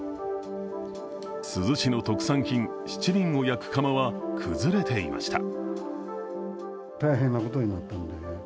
珠洲市の特産品、しちりんを焼く窯は崩れていました。